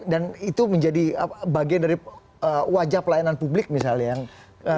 dan itu menjadi bagian dari wajah pelayanan publik misalnya yang terhijab